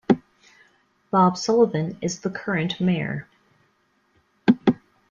Bob Sullivan is the current mayor.